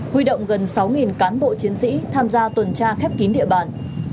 huy động gần sáu cán bộ chiến sĩ tham gia tuần tra khép kín địa bàn